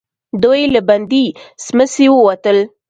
دوئ له بندې سمڅې ووتل.